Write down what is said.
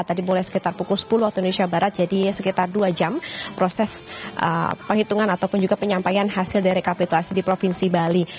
tadi mulai sekitar pukul sepuluh waktu indonesia barat jadi sekitar dua jam proses penghitungan ataupun juga penyampaian hasil dari rekapituasi di provinsi bali